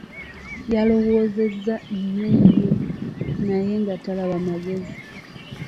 Yalowoolereza nnyo nnyo naye nga talaba magezi.